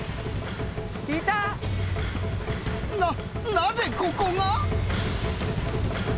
なぜここが？